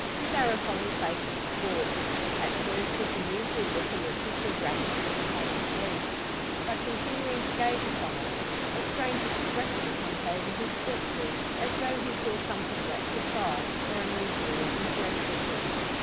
His are upon the face of the corpse at first with the usual look of official gravity and feigned grief. But continuing to gaze upon it, a strange expression comes over his features, as though he saw something that surprised, or unusually interested him.